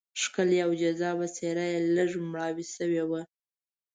ښکلې او جذابه څېره یې لږه مړاوې شوه.